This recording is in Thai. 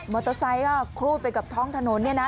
เตอร์ไซค์ก็ครูดไปกับท้องถนนเนี่ยนะ